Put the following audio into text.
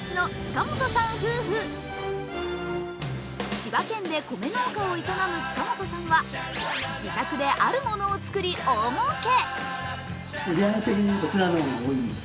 千葉県で米農家を営む塚本さんは、自宅であるものを作り、大もうけ。